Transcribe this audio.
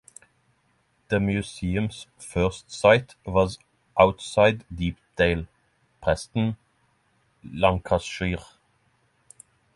The museum's first site was outside Deepdale, Preston, Lancashire.